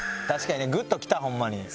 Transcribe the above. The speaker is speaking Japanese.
確かにねグッときたホンマに。